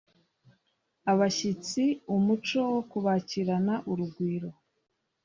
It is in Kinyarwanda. abashyitsi umuco wo kubakirana urugwiro